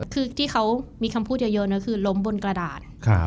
คือที่เขามีคำพูดเยอะนะคือล้มบนกระดาษ